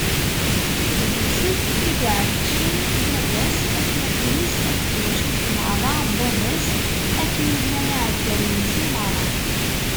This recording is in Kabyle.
D Yusef i yeɛeggcen baba-s, atmaten-is akked twacult meṛṛa n baba-s, akken i llan iɛeggalen-nsen meṛṛa.